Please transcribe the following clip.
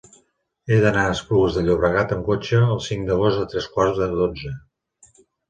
He d'anar a Esplugues de Llobregat amb cotxe el cinc d'agost a tres quarts de dotze.